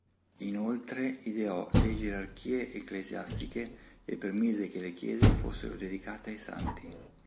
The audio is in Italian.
Inoltre ideò le gerarchie ecclesiastiche e permise che le chiese fossero dedicate ai santi.